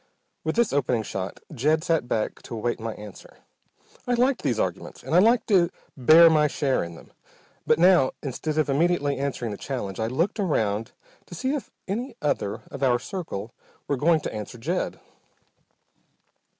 With this opening shot Jed sat back to await my answer. I liked these arguments and I liked to bear my share in them, but now, instead of immediately answering the challenge, I looked around to see if any other of our circle were going to answer Jed.